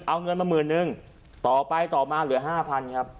เอาเงินมาหมื่นนึงต่อไปมาเหลือ๕๐๐๐บาทครับ